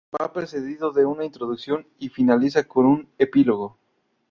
Va precedido de una introducción y finaliza con un epílogo.